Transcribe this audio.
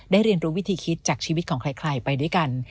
เรียนรู้วิธีคิดจากชีวิตของใครไปด้วยกัน